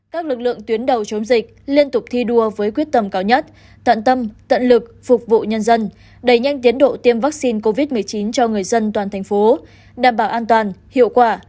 các lực lượng tuyến đầu chống dịch liên tục thi đua với quyết tâm cao nhất tận tâm tận lực phục vụ nhân dân đẩy nhanh tiến độ tiêm vaccine covid một mươi chín cho người dân toàn thành phố đảm bảo an toàn hiệu quả